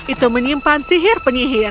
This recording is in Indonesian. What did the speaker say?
itu menyimpan sihir penyihir